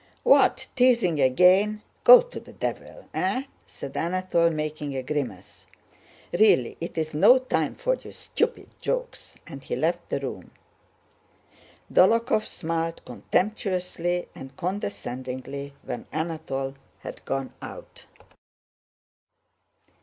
"What, teasing again? Go to the devil! Eh?" said Anatole, making a grimace. "Really it's no time for your stupid jokes," and he left the room. Dólokhov smiled contemptuously and condescendingly when Anatole had gone out.